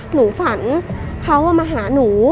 หนูฝันเขามาหาหนู